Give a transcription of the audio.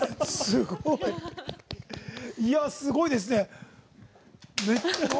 いや、すごいですね。